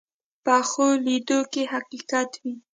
پخو لیدو کې حقیقت وي